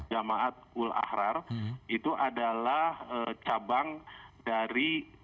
jamaat ul ahrar itu adalah cabang dari ttp